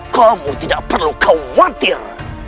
kamu tidak perlu khawatir